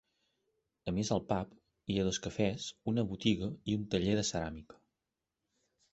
A més del pub, hi ha dos cafès, una botiga i un taller de ceràmica.